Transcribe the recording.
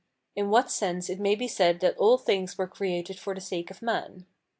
In what sense it may be said that all things were created for the sake of man.